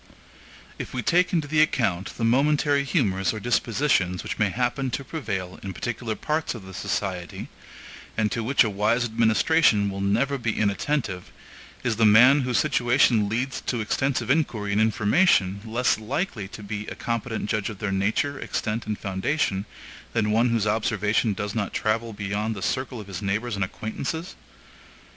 If we take into the account the momentary humors or dispositions which may happen to prevail in particular parts of the society, and to which a wise administration will never be inattentive, is the man whose situation leads to extensive inquiry and information less likely to be a competent judge of their nature, extent, and foundation than one whose observation does not travel beyond the circle of his neighbors and acquaintances?